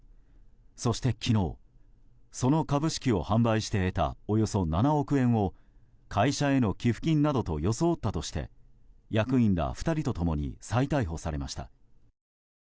そして昨日、その株式を販売して得た、およそ７億円を会社への寄付金などと装ったとして役員ら２人と共に再逮捕されました。